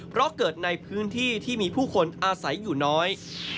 เพราะเกิดในพื้นที่ที่มีผู้คนอาศัยอยู่น้อย